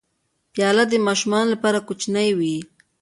پیاله د ماشومانو لپاره کوچنۍ وي.